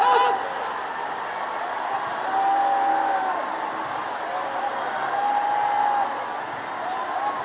วัฒนิยาพุทธ